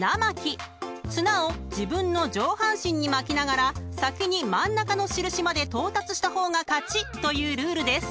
［綱を自分の上半身に巻きながら先に真ん中の印まで到達した方が勝ちというルールです］